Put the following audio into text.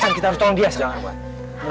san kita harus tolong dia jangan pak